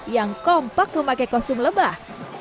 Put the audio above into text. yang kompak memakai kostum lebah